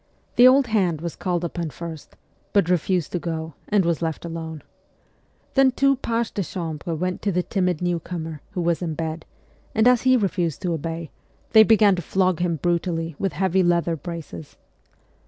The old hand was called upon first, but refused to go, and was left alone. Then two pages de chambre went to the timid new comer, who was in bed ; and as he refused to obey, they began to flog him brutally with heavy leather braces.